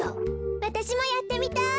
わたしもやってみたい。